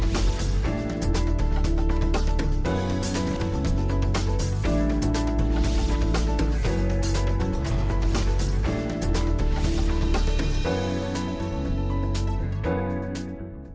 kami akan merusak ke perumahan